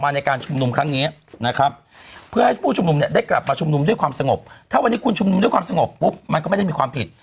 ในการชุมนุมครั้งนี้นะครับเพื่อให้ผู้ชุมนุมเนี่ยได้กลับมาชุมนุมด้วยความสงบถ้าวันนี้คุณชุมนุมด้วยความสงบปุ๊บมันก็ไม่ได้มีความผิด